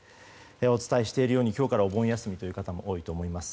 お伝えしているように今日からお盆休みという方も多いと思います。